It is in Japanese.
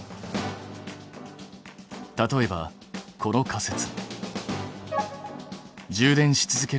例えばこの仮説。